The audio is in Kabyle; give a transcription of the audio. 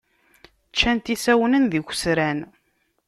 Ččan-t isawnen d ikwesran.